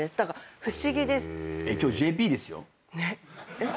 えっ？